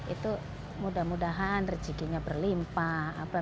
itu mudah mudahan rezekinya berlimpah